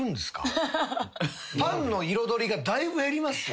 パンの彩りがだいぶ減りますよ。